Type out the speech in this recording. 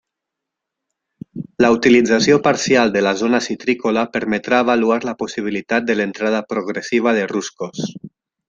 La utilització parcial de la zona citrícola permetrà avaluar la possibilitat de l'entrada progressiva de ruscos.